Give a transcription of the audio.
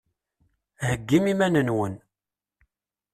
Heyyim iman-nwen!